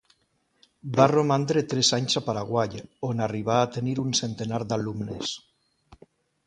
Va romandre tres anys a Paraguai on arribà a tenir un centenar d'alumnes.